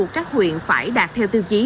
các huyện phải đạt theo tiêu chí